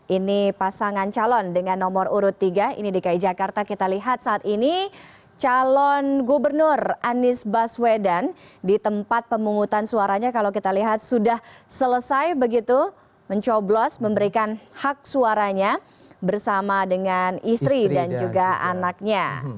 ini pasangan calon dengan nomor urut tiga ini dki jakarta kita lihat saat ini calon gubernur anies baswedan di tempat pemungutan suaranya kalau kita lihat sudah selesai begitu mencoblos memberikan hak suaranya bersama dengan istri dan juga anaknya